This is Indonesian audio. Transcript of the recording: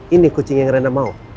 ini kucing yang rena mau